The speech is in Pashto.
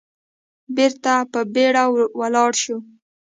بېرته په بيړه ولاړ شو.